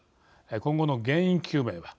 今後の原因究明は。